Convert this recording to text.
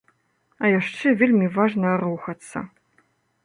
А яшчэ вельмі важна рухацца.